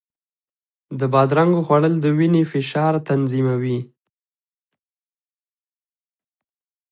د بادرنګو خوړل د وینې فشار تنظیموي.